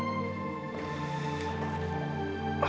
gue mau berhenti sekarang